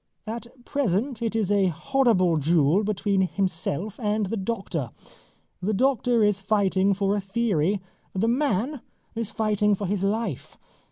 At present it is a horrible duel between himself and the doctor. The doctor is fighting for a theory. The man is fighting for his life.